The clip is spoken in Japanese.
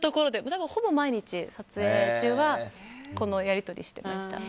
だからほぼ毎日、撮影中はこのやり取りしてました。